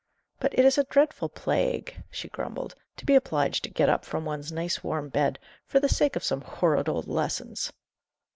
"But it is a dreadful plague," she grumbled, "to be obliged to get up from one's nice warm bed, for the sake of some horrid old lessons!"